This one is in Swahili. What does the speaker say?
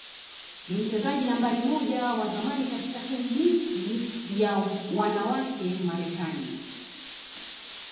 ni mchezaji nambari moja wa zamani katika tenisi ya wanawake Marekani